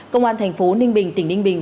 công an thành phố ninh bình tỉnh ninh bình